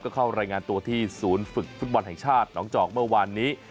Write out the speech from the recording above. ก็เข้ารายงานตัวที่ศูนย์ฝึกฟุตบอลแห่งชาติหนองจอกเมื่อวานนี้